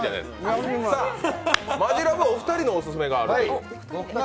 マヂラブお二人のオススメがあるという。